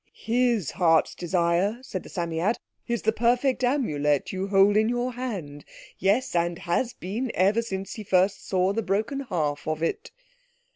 "His heart's desire," said the Psammead, "is the perfect Amulet you hold in your hand. Yes—and has been ever since he first saw the broken half of it."